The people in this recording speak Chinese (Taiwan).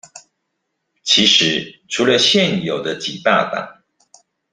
其實除了現有的幾大黨